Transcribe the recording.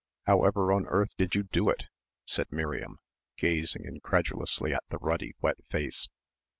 "However on earth did you do it?" said Miriam, gazing incredulously at the ruddy wet face.